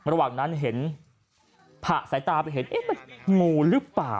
ระหว่างนั้นเห็นผ่าใส่ตาไปน่ะงูรึเปล่า